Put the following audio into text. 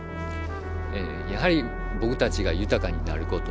やはり僕たちが豊かになること。